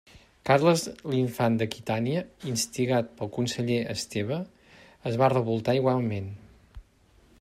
Carles l'Infant d'Aquitània, instigat pel conseller Esteve es va revoltar igualment.